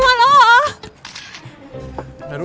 จำนวน๕๐๐บาท